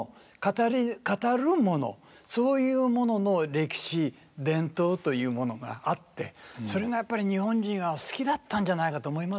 語る物そういうものの歴史伝統というものがあってそれがやっぱり日本人は好きだったんじゃないかと思いますね。